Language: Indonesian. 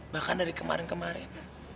bahkan dari kemarin kemarin